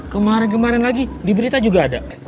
kemarin kemarin lagi di berita juga ada